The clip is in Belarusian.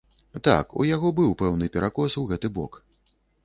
Так, у яго быў пэўны перакос у гэты бок.